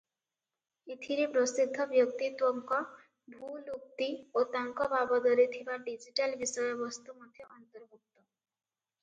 ଏଥିରେ ପ୍ରସିଦ୍ଧ ବ୍ୟକ୍ତିତ୍ୱଙ୍କ ଭୁଲ ଉକ୍ତି ଓ ତାଙ୍କ ବାବଦରେ ଥିବା ଡିଜିଟାଲ ବିଷୟବସ୍ତୁ ମଧ୍ୟ ଅନ୍ତର୍ଭୁକ୍ତ ।